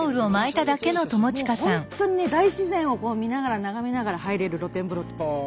もう本当にね大自然を見ながら眺めながら入れる露天風呂。